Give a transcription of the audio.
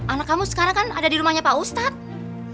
anak kamu sekarang kan ada di rumahnya pak ustadz